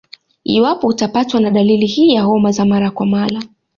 Iwapo utapatwa na dalili hii ya homa za mara kwa mara